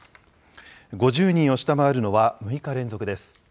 ５０人を下回るのは６日連続です。